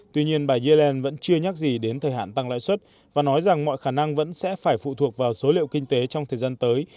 tuy nhiên bà yellen vẫn chưa nhắc gì đến thời hạn tăng lãi suất và nói rằng mọi khả năng vẫn sẽ phải phụ thuộc vào số liệu kinh tế trong thời gian tới